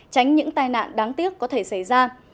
tránh những tai nạn đáng tiếc có thể xảy ra